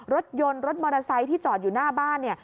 รถยนต์รถมอเตอร์ไซค์ที่จอดอยู่หน้าบ้านเนี่ย